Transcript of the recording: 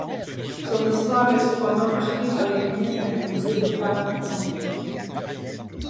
Son histoire est cependant marquée par les limites imposées aux femmes à son époque.